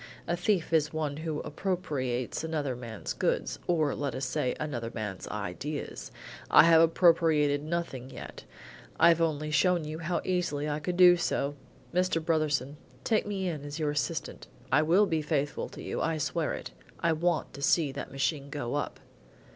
"A thief is one who appropriates another man's goods, or, let us say, another man's ideas. I have appropriated nothing yet. I've only shown you how easily I could do so. Mr. Brotherson, take me in as your assistant. I will be faithful to you, I swear it. I want to see that machine go up."